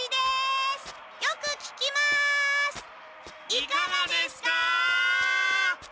いかがですか？